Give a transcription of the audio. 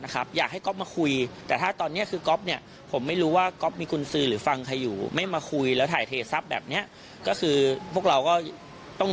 ก็คือพวกเราก็ต้อง